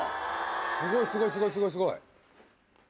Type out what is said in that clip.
すごいすごいすごいすごいすごい。